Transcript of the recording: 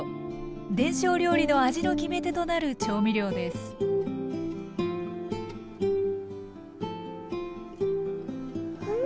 伝承料理の味の決め手となる調味料ですうん！